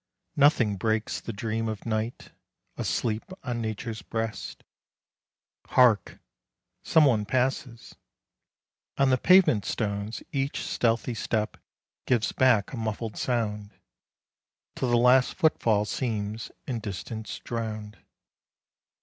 Nothing breaks The dream of Night, asleep on Nature's breast. Hark! Some one passes. On the pavement stones Each stealthy step gives back a muffled sound, Till the last foot fall seems in distance drowned.